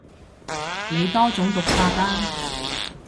你多種讀法啊